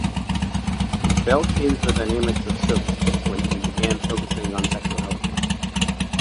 Bell changed the dynamics of soaps when he began focusing on sexuality.